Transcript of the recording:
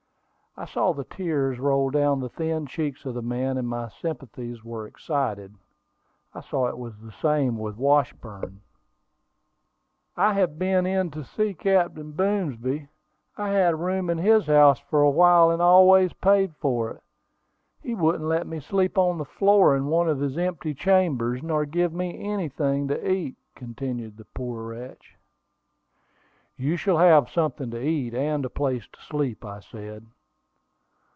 I saw the tears roll down the thin cheeks of the man, and my sympathies were excited. I saw it was the same with Washburn. "I have been in to see Captain Boomsby; I had a room in his house for a while, and always paid for it. He wouldn't let me sleep on the floor in one of his empty chambers, nor give me anything to eat," continued the poor wretch. "You shall have something to eat, and a place to sleep," I said.